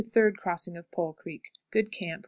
Third Crossing of Pole Creek. Good camp.